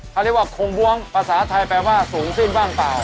เขาเรียกว่าคงบ้วงภาษาไทยแปลว่าสูงสิ้นบ้างเปล่า